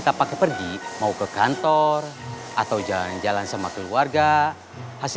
sampai ketemu lagi